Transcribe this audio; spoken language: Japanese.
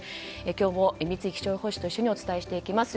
今日も三井気象予報士と一緒にお伝えしていきます。